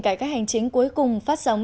cải các hành chính cuối cùng phát sóng